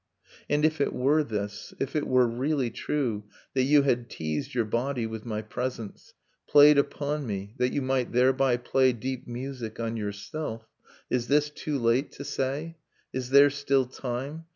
.. And, if it were this, if it were really true That you had teased your body with my presence, Played upon me, that you might thereby play Deep music on yourself. . .is this too late to say? Is there still time?